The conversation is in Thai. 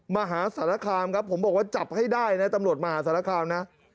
มหาสารคามครับผมบอกว่าจับให้ได้นะตำรวจมหาสารคามนะ